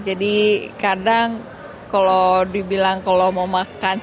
jadi kadang kalau dibilang kalau mau makan tiga kali sehari ya mungkin